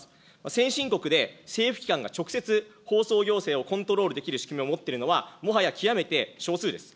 先進国で政府機関が直接、放送行政をコントロールできる仕組みを持っているのは、もはや極めて少数です。